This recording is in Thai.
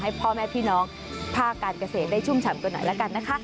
พ่อแม่พี่น้องภาคการเกษตรได้ชุ่มฉ่ำกันหน่อยละกันนะคะ